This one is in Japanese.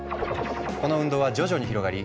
この運動は徐々に広がり